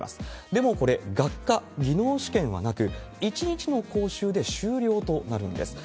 でもこれ、学科、技能試験はなく、１日の講習で修了となるんです。